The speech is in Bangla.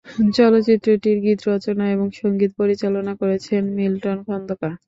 চলচ্চিত্রটির গীত রচনা এবং সঙ্গীত পরিচালনা করেছেন মিল্টন খন্দকার।